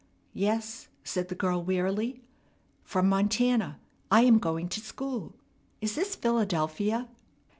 "Yes," said the girl wearily, "from Montana. I am going to school. Is this Philadelphia?"